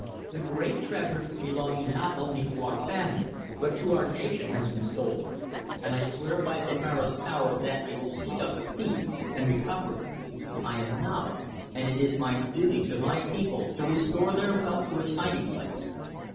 "The great treasure, belonging not only to our family but to our nation, has been stolen, and I swear by Zomara's power that I will seek out the thief and recover it. I am Naba, and it is my duty to my people to restore their wealth to its hiding place.